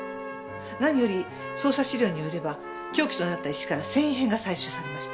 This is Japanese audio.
何より捜査資料によれば凶器となった石から繊維片が採取されました。